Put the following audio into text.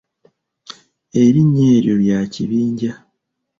Erinnya eryo lya kibinja.